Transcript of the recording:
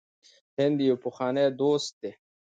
هند یو پخوانی دوست دی.